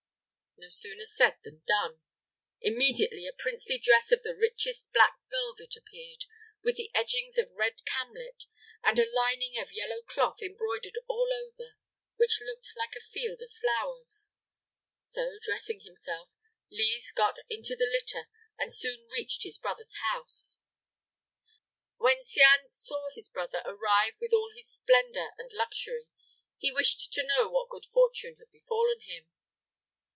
No sooner said than done; immediately a princely dress of the richest black velvet appeared, with edgings of red camlet, and a lining of yellow cloth embroidered all over, which looked like a field of flowers; so, dressing himself, Lise got into the litter, and soon reached his brother's house. When Cianne saw his brother arrive with all his splendor and luxury, he wished to know what good fortune had befallen him.